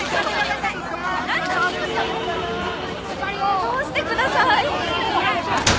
通してください。